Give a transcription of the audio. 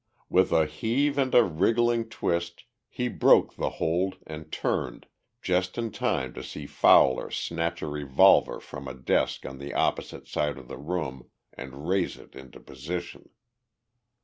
With a heave and a wriggling twist he broke the hold and turned, just in time to see Fowler snatch a revolver from a desk on the opposite side of the room and raise it into position.